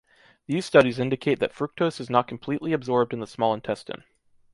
These studies indicate that fructose is not completely absorbed in the small intestine.